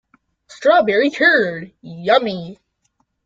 Strawberry curd, yummy!